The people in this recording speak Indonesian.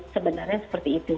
sebenarnya seperti itu